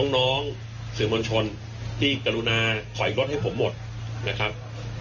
น้องสื่อมวลชนที่กรุณาถอยรถให้ผมหมดนะครับ